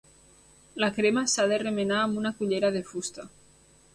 La crema s'ha de remenar amb una cullera de fusta.